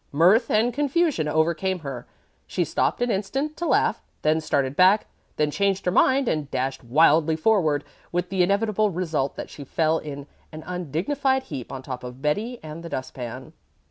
Mirth and confusion overcame her. She stopped an instant to laugh, then started back, then changed her mind and dashed wildly forward, with the inevitable result that she fell in an undignified heap on top of Betty and the dust pan.